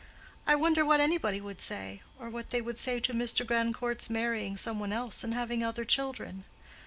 "I wonder what anybody would say; or what they would say to Mr. Grandcourt's marrying some one else and having other children!"